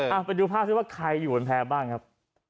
เอาไปดูภาพซิว่าใครอยู่บนแพร่บ้างครับ